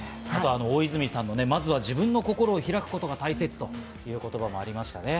大泉さんの、まずは自分の心を開くことが大切っていう言葉もありましたね。